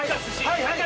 はいはい！